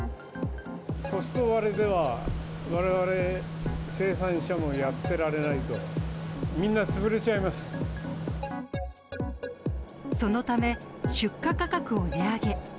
コスト割れでは、われわれ生産者もやってられないと、そのため、出荷価格を値上げ。